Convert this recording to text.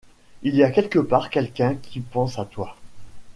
Il y a quelque part quelqu’un qui pense à toi.